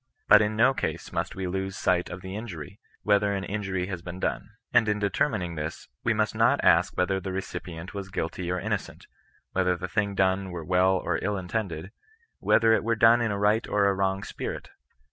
But in no case must we lose sight of the inquiry, whether an injury has been done. Ajid in determining this, we must not ask whether the recipient were guilty or innocent, whether the thing done were well or ill intended, whether it were done in a right or a wrong spirit.